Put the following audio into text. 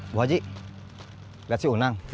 bu haji liat si unang